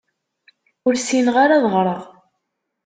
Ur ssineɣ ara ad ɣṛeɣ.